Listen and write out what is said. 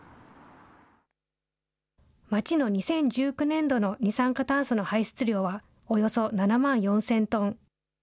町の２０１９年度の二酸化炭素の排出量はおよそ７万４０００トン。